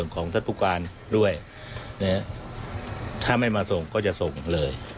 ส่วนของทัศน์ภูการด้วยเนี่ยถ้าไม่มาส่งก็จะส่งเลย